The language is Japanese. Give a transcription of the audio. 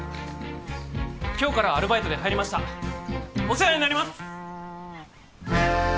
今日からアルバイトで入りましたお世話になります！